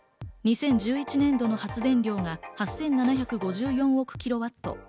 ２０１１年度の発電量が８７５４億キロワット。